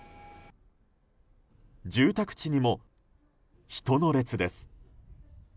住宅地にも、人の列です。